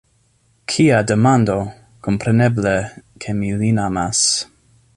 Kia demando! kompreneble, ke mi lin amas.